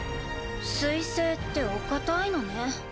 水星ってお固いのね。